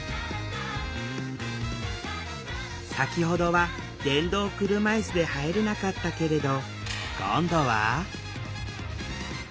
先ほどは電動車いすで入れなかったけれど今度は？